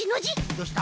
どうした？